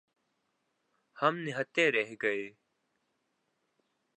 ہم نہتے رہ گئے۔